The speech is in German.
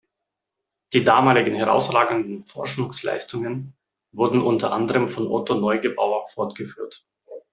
Die damaligen herausragenden Forschungsleistungen wurden unter anderem von Otto Neugebauer fortgeführt.